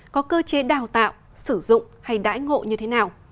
có cơ chế đào tạo sử dụng hay đãi ngộ như thế nào